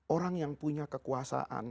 orang yang punya kekuasaan